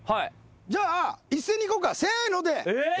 じゃあ一斉にいこうかせので。